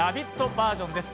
バージョンです。